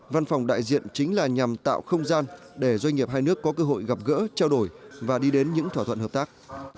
văn phòng đại diện chính là nhằm tạo không gian để doanh nghiệp hai nước có cơ hội gặp gỡ trao đổi và đi đến những thỏa thuận hợp tác